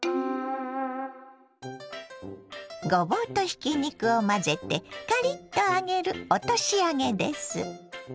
ごぼうとひき肉を混ぜてカリッと揚げる落とし揚げです。